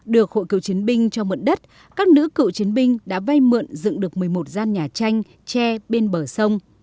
được hội cựu chiến binh cho mượn đất các nữ cựu chiến binh đã vay mượn dựng được một mươi một gian nhà tranh tre bên bờ sông